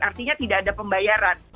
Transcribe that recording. artinya tidak ada pembayaran